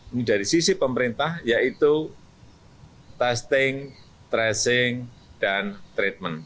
ini dari sisi pemerintah yaitu testing tracing dan treatment